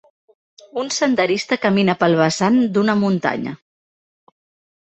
Un senderista camina pel vessant d'una muntanya.